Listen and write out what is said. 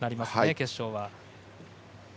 決勝は。